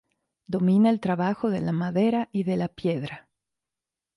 Domina el trabajo de la madera y de la piedra.